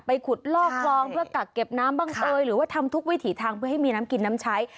ขุดลอกคลองเพื่อกักเก็บน้ำบังเอยหรือว่าทำทุกวิถีทางเพื่อให้มีน้ำกินน้ำใช้